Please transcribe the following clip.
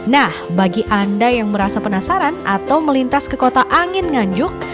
nah bagi anda yang merasa penasaran atau melintas ke kota angin nganjuk